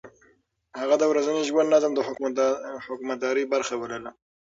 هغه د ورځني ژوند نظم د حکومتدارۍ برخه بلله.